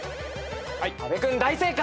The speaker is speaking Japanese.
阿部君大正解。